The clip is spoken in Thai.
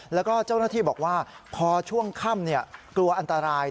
แล้วก็เจ้าหน้าที่บอกว่าพอช่วงค่ำกลัวอันตราย